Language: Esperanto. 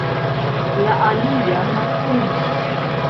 La alia mateno.